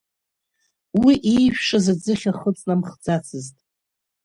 Уи иижәшаз аӡыхь ахы ыҵнамхӡацызт.